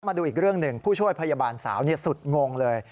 มาดูอีกเรื่องหนึ่งผู้ช่วยพยาบาลสาวสุดงงเลย